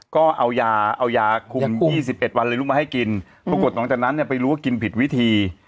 ก็เอายาเอายาคุมยี่สิบเอ็ดวันเลยลุ่มมาให้กินปรากฏตอนจากนั้นเนี้ยไปรู้ว่ากินผิดวิธี